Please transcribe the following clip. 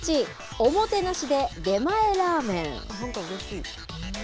おもてなしで出前ラーメン。